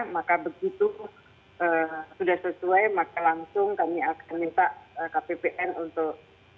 maka begitu sudah sesuai maka langsung kami akan minta kppn untuk